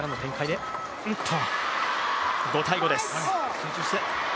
集中して！